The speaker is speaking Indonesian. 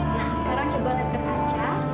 nah sekarang coba lihat ke kaca